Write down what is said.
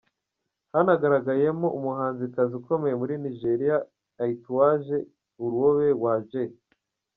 Hanagaragayemo umuhanzikazi ukomeye muri Nigeria Aituaje Iruobe ’Waje’.